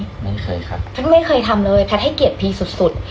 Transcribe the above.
ไม่เคยครับแพทย์ไม่เคยทำเลยแพทย์ให้เกียรติพีสุดสุด